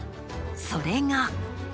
それが。